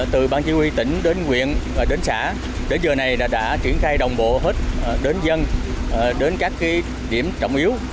từ ban chỉ huy tỉnh đến quyện đến xã đến giờ này đã triển khai đồng bộ hết đến dân đến các điểm trọng yếu